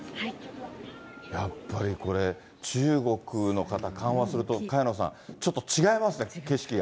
やっぱりこれ、中国の方、緩和すると萱野さん、ちょっと違いますね、景色が。